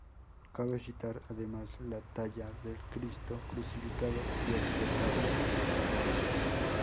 Cabe citar, además, la talla del Cristo crucificado y el retablo barroco.